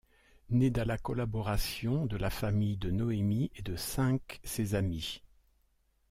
Né da la collaboration de la famille de Noemi et de cinq ses amis.